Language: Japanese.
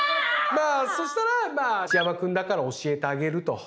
そしたら「内山君だから教えてあげる」と。